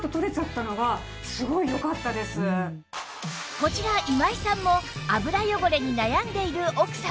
こちら今井さんも油汚れに悩んでいる奥様